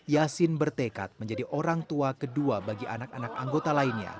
yasin bertekad menjadi orang tua kedua bagi anak anaknya